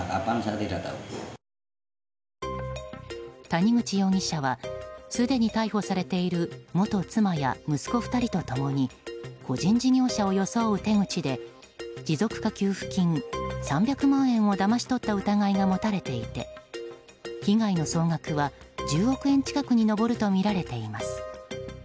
谷口容疑者はすでに逮捕されている元妻や息子２人と共に個人事業者を装う手口で持続化給付金３００万円をだまし取った疑いが持たれていて被害の総額は１０億円近くに上るとみられています。